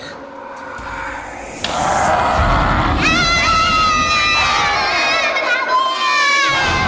orangnya udah aman deh loh fah